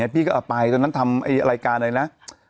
พี่ก็ไปตอนนั้นทำรายการเลยนะ